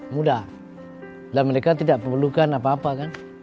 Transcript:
mudah dan mereka tidak perlukan apa apa kan